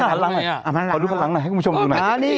รส่าหลังหน่อยอ่ามันล่างดูหน่อยให้คุณผู้ชมดูหน่อยอ่านี่